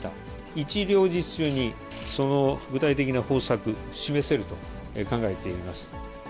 一両日中にその具体的な方策、示せると考えています。